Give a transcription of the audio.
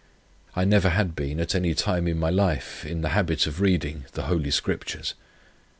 I never had been at any time in my life in the habit of reading the Holy Scriptures.